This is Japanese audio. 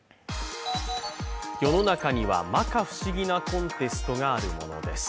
世の中には、まか不思議なコンテストがあるものです。